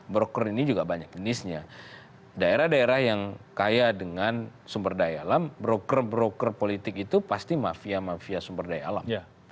broker ini juga banyak jenisnya daerah daerah yang kaya dengan sumber daya alam broker broker politik itu pasti mafia mafia sumber daya alam